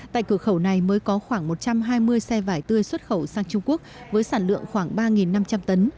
tại cửa khẩu này mới có khoảng một trăm hai mươi xe vải tươi xuất khẩu sang trung quốc với sản lượng khoảng ba năm trăm linh tấn